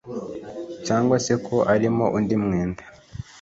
cyangwa se ko arimo undi mwenda